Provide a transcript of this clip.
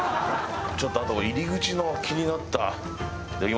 ちょっとあと入り口の気になった。